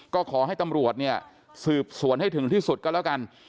ก็ขอให้ตำรวจเนี่ยสืบสวนให้ถึงที่สุดก็แล้วกัน